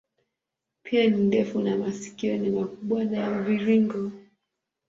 Pua ni ndefu na masikio ni makubwa na ya mviringo.